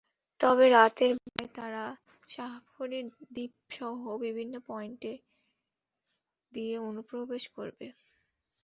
তবে রাতের বেলায় তারা শাহপরীর দ্বীপসহ বিভিন্ন পয়েন্ট দিয়ে অনুপ্রবেশ করবে।